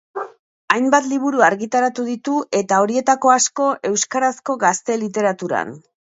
Hainbat liburu argitaratu ditu eta horietako asko euskarazko Gazte Literaturan.